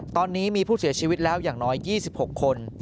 ตอนนี้มีผู้เสียชีวิตแล้วอย่างน้อย๒๖คน